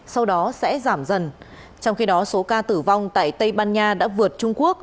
sau đó sẽ giảm dần trong khi đó số ca tử vong tại tây ban nha đã vượt trung quốc